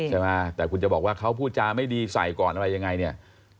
ใช่ไหมแต่คุณจะบอกว่าเขาพูดจาไม่ดีใส่ก่อนอะไรยังไงเนี่ย